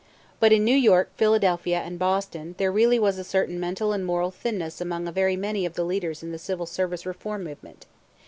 But in New York, Philadelphia, and Boston there really was a certain mental and moral thinness among very many of the leaders in the Civil Service Reform movement.